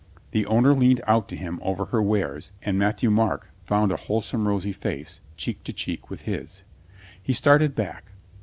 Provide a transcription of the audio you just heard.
The owner leaned out to him over her wares and Matthieu M.arc found a wholesome rosy face cheek to cheek with his. He started back.